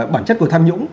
bản chất của tham nhũng